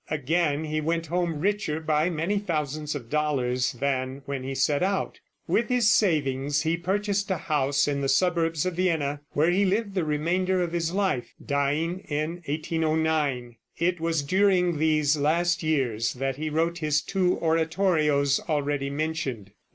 Again he went home richer by many thousands of dollars than when he set out. With his savings he purchased a house in the suburbs of Vienna, where he lived the remainder of his life, dying in 1809. It was during these last years that he wrote his two oratorios already mentioned.